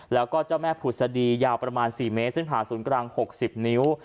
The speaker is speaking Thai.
แล้วก็เจ้าแม่ผุษฎียาวประมาณสี่เมตรเส้นผาศูนย์กลางหกสิบนิ้ว